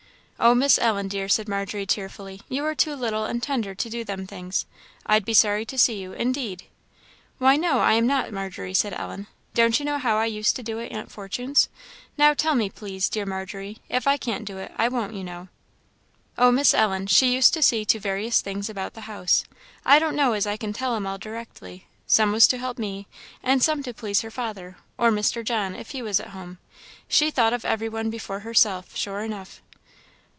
"Oh, Miss Ellen, dear," said Margery, tearfully, "you are too little and tender to do them things I'd be sorry to see you, indeed!" "Why, no, I am not, Margery," said Ellen; "don't you know how I used to do at Aunt Fortune's? Now, tell me, please, dear Margery! If I can't do it, I won't, you know." "Oh, Miss Ellen, she used to see to various things about the house I don't know as I can tell 'em all directly; some was to help me; and some to please her father, or Mr. John, if he was at home; she thought of every one before herself, sure enough."